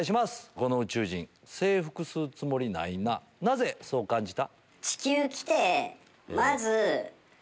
この宇宙人征服するつもりないななぜそう感じた？